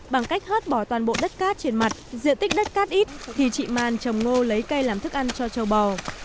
bằng cách hớt bỏ toàn bộ đất cát trên mặt diện tích đất cát ít thì chị man trồng ngô lấy cây làm thức ăn cho châu bò